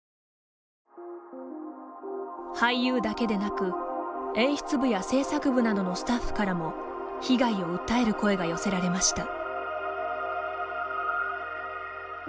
俳優だけでなく、演出部や制作部などのスタッフからも被害を訴える声が寄せられました。